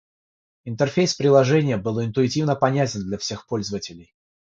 Интерфейс приложения был интуитивно понятен для всех пользователей.